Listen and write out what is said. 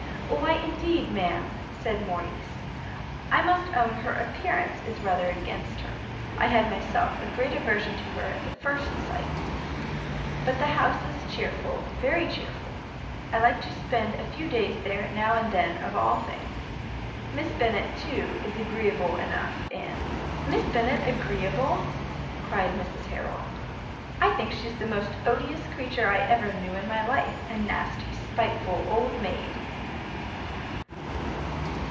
"Why indeed, ma'am," said Morrice, "I must own her appearance is rather against her: I had myself a great aversion to her at first sight. But the house is chearful, very chearful; I like to spend a few days there now and then of all things. Miss Bennet, too, is agreeable enough, and " "Miss Bennet agreeable!" cried Mrs Harrel, "I think she's the most odious creature I ever knew in my life; a nasty, spiteful old maid!"